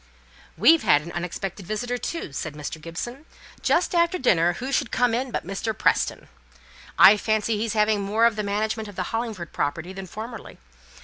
"We've had our unexpected visitor, too," said Mr. Gibson. "Just after dinner, who should come in but Mr. Preston. I fancy he's having more of the management of the Hollingford property than formerly.